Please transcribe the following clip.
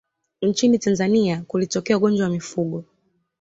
nchini tanzania kulitokea ugonjwa wa mifugo